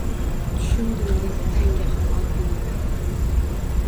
Tushundim, dedi Tangaxon Oldieva